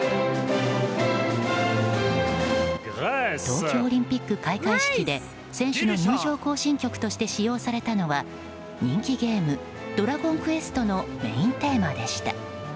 東京オリンピック開会式で選手の入場行進曲として使用されたのは人気ゲーム「ドラゴンクエスト」のメインテーマでした。